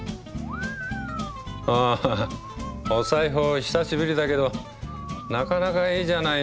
あははお裁縫久しぶりだけどなかなかいいじゃないの僕。